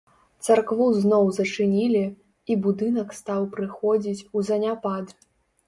Царкву зноў зачынілі, і будынак стаў прыходзіць у заняпад.